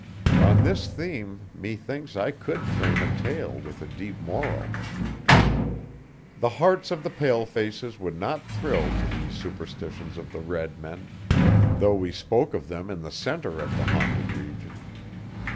On this theme methinks I could frame a tale with a deep moral. The hearts of the palefaces would not thrill to these superstitions of the red men, though we spoke of them in the centre of the haunted region.